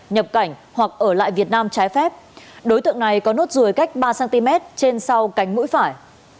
nhập cảnh hoặc ở lại việt nam trái phép đối tượng này có nốt ruồi cách ba cm trên sau cánh mũi phải